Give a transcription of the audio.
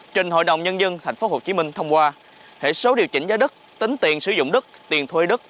trình hội đồng nhân dân tp hcm thông qua hệ số điều chỉnh giá đất tính tiền sử dụng đất tiền thuê đất